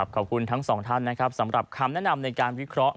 ขอบคุณทั้งสองท่านนะครับสำหรับคำแนะนำในการวิเคราะห์